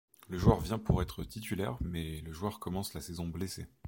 Le joueur vient pour être titulaire mais le joueur commence la saison blessé.